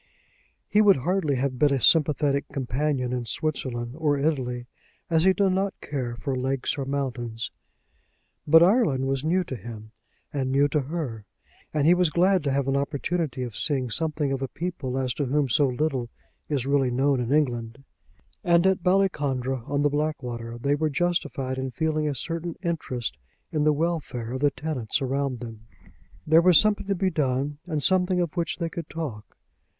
He would hardly have been a sympathetic companion in Switzerland or Italy, as he did not care for lakes or mountains. But Ireland was new to him and new to her, and he was glad to have an opportunity of seeing something of a people as to whom so little is really known in England. And at Ballycondra, on the Blackwater, they were justified in feeling a certain interest in the welfare of the tenants around them. There was something to be done, and something of which they could talk.